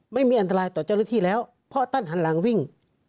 ไม่มีอันตรายต่อเจ้าหน้าที่แล้วเพราะท่านหันหลังวิ่ง